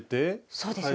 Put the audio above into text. そうですね。